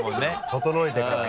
整えてからね。